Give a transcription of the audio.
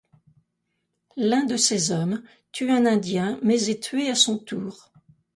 L'un de ses hommes tue un indien, mais est tué à son tour.